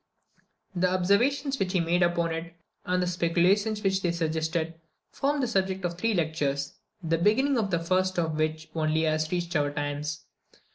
The observations which he made upon it, and the speculations which they suggested, formed the subject of three lectures, the beginning of the first of which only has reached our times.